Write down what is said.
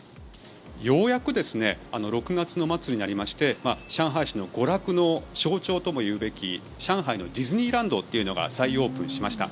ようやく６月末になりまして上海市の娯楽の象徴ともいえる上海のディズニーランドというのが再オープンしました。